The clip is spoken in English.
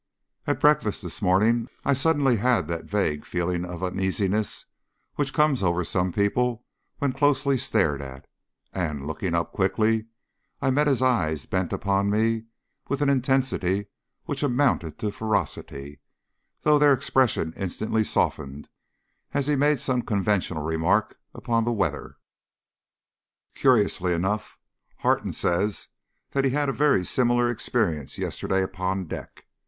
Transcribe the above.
At breakfast this morning I suddenly had that vague feeling of uneasiness which comes over some people when closely stared at, and, looking quickly up, I met his eyes bent upon me with an intensity which amounted to ferocity, though their expression instantly softened as he made some conventional remark upon the weather. Curiously enough, Harton says that he had a very similar experience yesterday upon deck.